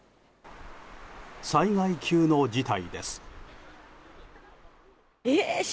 災害級の事態です。